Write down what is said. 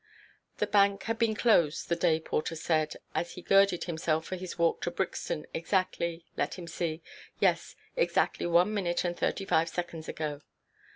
The Bank had been closed, the day–porter said, as he girded himself for his walk to Brixton, exactly—let him see—yes, exactly one minute and thirty–five seconds ago.